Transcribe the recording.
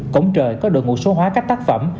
cổng trời có đội ngũ số hóa các tác phẩm